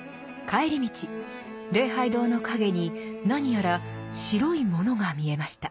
帰り道礼拝堂の陰に何やら「白いもの」が見えました。